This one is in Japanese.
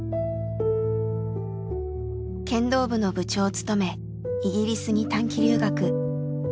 剣道部の部長を務めイギリスに短期留学。